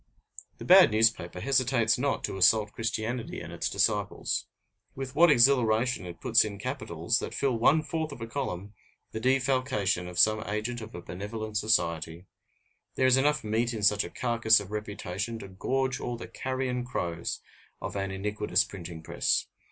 The bad newspaper hesitates not to assault Christianity and its disciples. With what exhilaration it puts in capitals, that fill one fourth of a column, the defalcation of some agent of a benevolent society! There is enough meat in such a carcass of reputation to gorge all the carrion crows of an iniquitous printing press.